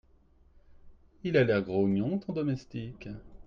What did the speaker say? Il a l’air grognon, ton domestique.